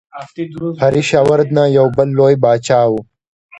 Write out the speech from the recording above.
هرشا وردهنا یو بل لوی پاچا و.